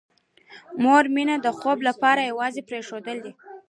مور مينه د خوب لپاره یوازې پرېښودله